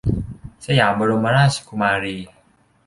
สยามบรมราชกุมารี